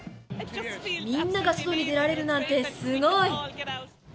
みんなが外に出られるなんですごい！